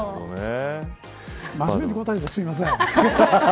真面目に答えてすいません。